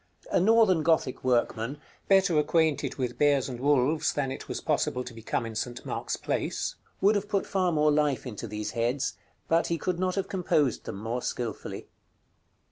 A Northern Gothic workman, better acquainted with bears and wolves than it was possible to become in St. Mark's Place, would have put far more life into these heads, but he could not have composed them more skilfully.